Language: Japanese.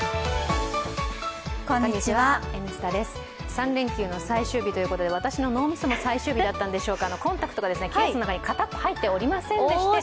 ３連休の最終日ということで私の脳みそも最終日だったんでしょうか、コンタクトが片っぽ入ってませんでした。